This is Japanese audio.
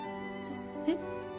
えっ。